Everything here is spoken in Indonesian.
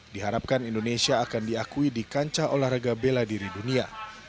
diharapkan indonesia akan diakui di kancah olahraga bela diri dunia